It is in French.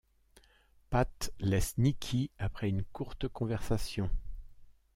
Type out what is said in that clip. Pat laisse Nikki après une courte conversation.